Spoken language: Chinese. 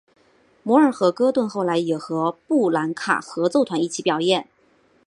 摩尔和戈顿后来也和布兰卡合奏团一起表演。